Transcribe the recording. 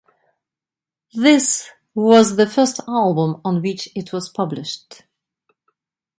This was the first album on which it was published.